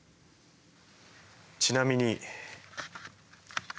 ちなみに。